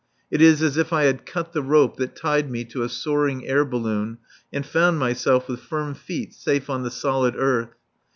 It is as if I had cut the rope that tied me to a soaring air balloon and found myself, with firm feet, safe on the solid earth.